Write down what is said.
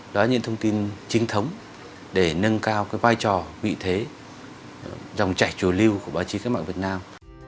đó là những thông tin chính thống để nâng cao vai trò vị thế dòng chảy trù lưu của báo chí cách mạng việt nam